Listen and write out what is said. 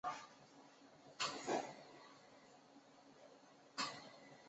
真正做到主动学、学为所用、自觉学用